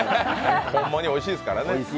ほんまにおいしいですからね。